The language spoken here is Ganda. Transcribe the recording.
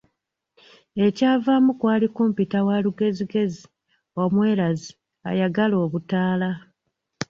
Ekyavaamu kwali kumpita waalugezigezi, omwerazi, ayagala obutaala.